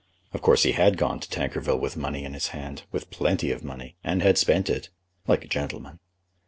Of course, he had gone to Tankerville with money in his hand, with plenty of money, and had spent it like a gentleman.